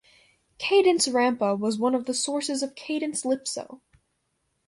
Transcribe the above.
Cadence rampa was one of the sources of cadence-lypso.